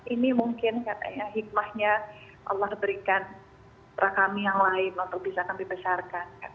ini mungkin katanya hikmahnya allah berikan kepada kami yang lain untuk bisa kami besarkan